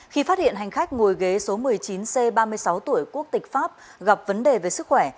khi phát hiện hành khách ngồi ghế số một mươi chín c ba mươi sáu tuổi quốc tịch pháp gặp vấn đề về sức khỏe